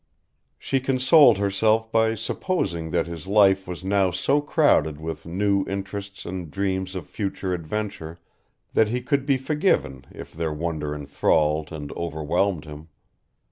She consoled herself by supposing that his life was now so crowded with new interests and dreams of future adventure that he could be forgiven if their wonder enthralled and overwhelmed him.